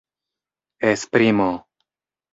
esprimo